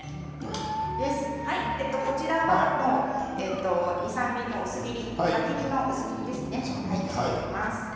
こちらが２、３ｍｍの薄切り、輪切りの薄切りですね。